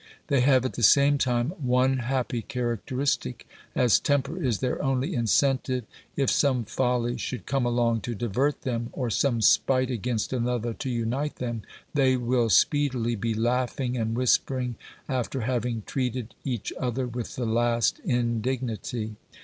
They have at the same time one happy characteristic ; as temper is their only incentive, if some folly should come along to divert them, or some spite against another to unite them, they will speedily be laughing and whispering, after having treated each other with the last indignity.